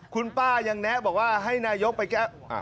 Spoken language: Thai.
คุณป้ายังแนะบอกว่าให้นายกไปแก้